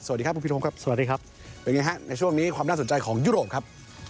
สวัสดีครับคุณพีรพงศ์ครับเป็นอย่างนี้ฮะในช่วงนี้ความน่าสนใจของยุโรปครับ